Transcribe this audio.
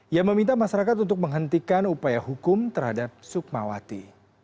ia meminta masyarakat untuk menghentikan upaya hukum terhadap sukmawati